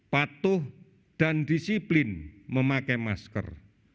patuh dan disiplin memakai masker